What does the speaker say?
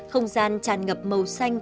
không gian tràn ngập màu xanh